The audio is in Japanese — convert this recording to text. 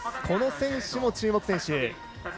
この選手も注目選手。